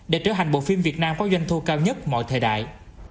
để trở thành bộ phim việt nam có doanh thu cao nhất mọi thời đại